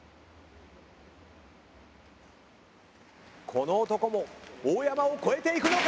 この男も大山を超えていくのか？